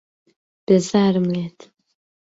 بێزارم لێت.